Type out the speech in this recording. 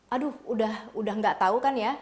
aduh udah gak tau kan ya